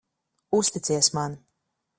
Uzticies man.